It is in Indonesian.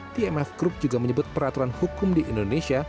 tmf group juga menyebut peraturan hukum di indonesia